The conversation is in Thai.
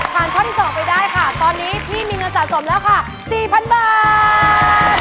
ข้อที่๒ไปได้ค่ะตอนนี้พี่มีเงินสะสมแล้วค่ะ๔๐๐๐บาท